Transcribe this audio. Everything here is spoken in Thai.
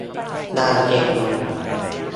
งานเสร็จยัง ?